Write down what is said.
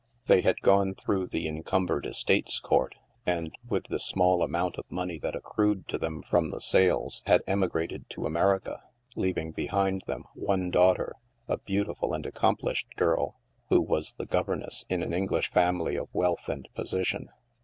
They had gone through the Encumbered Estates Court, and, with the small amount of money that accrued to them from the sales, had emigrated to America, leav ing behind them one daughter — a beautiful and accomplished girl —who was tbe governess in an English family of wealth and posi tion.